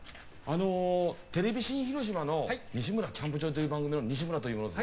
テレビ新広島の「西村キャンプ場」という番組の西村というものです。